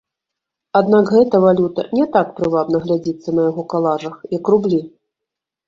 Аднак гэта валюта не так прывабна глядзіцца на яго калажах, як рублі.